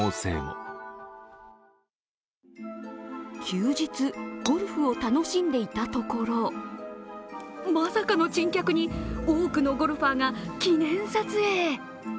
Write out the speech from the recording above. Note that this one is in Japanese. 休日、ゴルフを楽しんでいたところまさかの珍客に多くのゴルファーが記念撮影。